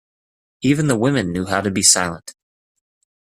Even the women knew how to be silent.